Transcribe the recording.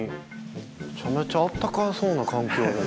めちゃめちゃあったかそうな環境じゃないすか。